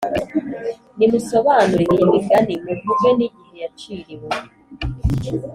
Nimusobanure iyi migani muvuge n igihe yaciriwe